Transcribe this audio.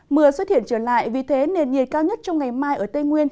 mưa xuất hiện trở lại vì thế nền nhiệt cao nhất trong ngày mai ở tây nguyên